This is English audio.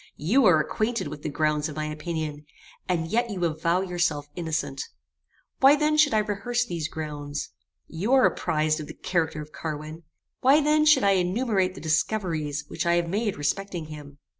You are acquainted with the grounds of my opinion, and yet you avow yourself innocent: Why then should I rehearse these grounds? You are apprized of the character of Carwin: Why then should I enumerate the discoveries which I have made respecting him?